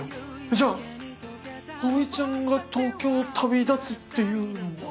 じゃあ葵ちゃんが東京を旅立つっていうのは？